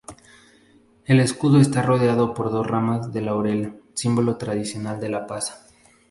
El escudo está rodeado por dos ramas de laurel, símbolo tradicional de la paz.